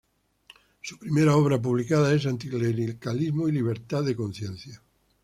Su primera obra publicada es "Anticlericalismo y libertad de conciencia.